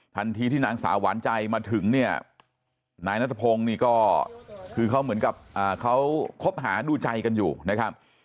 ทันทีที่นางสาวหวานใจมาถึงเนี่ยนายนัทพงศ์นี่ก็คือเขาเหมือนกับเขาคบหาดูใจกันอยู่นะครับ